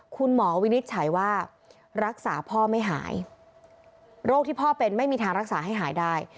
คุณหมอวินิจฉัยว่ารักษาพ่อไม่หายโรคที่พ่อเป็นไม่มีทางรักษาให้หายได้